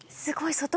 すごい！